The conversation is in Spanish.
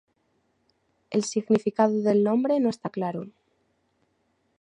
El significado del nombre no está claro.